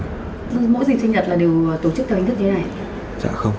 mỗi dịch sinh nhật là đều tổ chức theo hình thức như thế này